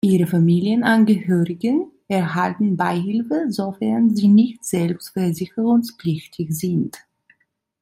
Ihre Familienangehörigen erhalten Beihilfe, sofern sie nicht selbst versicherungspflichtig sind.